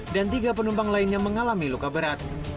dan tiga penumpang lainnya mengalami luka berat